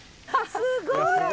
すごい。